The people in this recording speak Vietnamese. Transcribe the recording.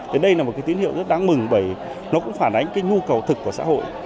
thế đây là một tín hiệu rất đáng mừng bởi nó cũng phản ánh nhu cầu thực của xã hội